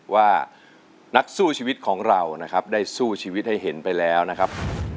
ว่านักสู้ชีวิตของเรานะครับได้สู้ชีวิตให้เห็นไปแล้วนะครับ